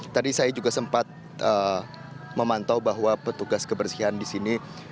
tadi saya juga sempat memantau bahwa petugas kebersihan di sini